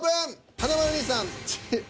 華丸兄さん「チ」